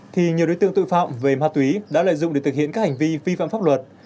thì nhiều đối tượng tội phạm về ma túy đã lợi dụng để thực hiện các hành vi vi phạm pháp luật